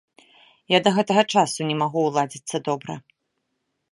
Я да гэтага часу не магу ўладзіцца добра.